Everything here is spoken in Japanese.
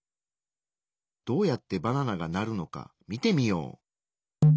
どうやってバナナがなるのか見てみよう。